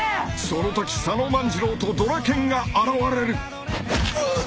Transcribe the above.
［そのとき佐野万次郎とドラケンが現れる］うっ！